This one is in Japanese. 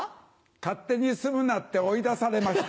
勝手に住むなって追い出されました。